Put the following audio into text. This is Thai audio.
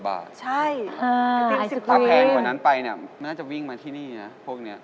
อาแผนของนั้นไปมันอาจจะวิ่งมาที่นี่นะพวกนี้